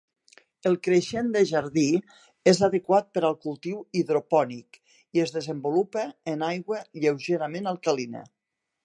El creixen de jardí és adequat per al cultiu hidropònic i es desenvolupa en aigua lleugerament alcalina.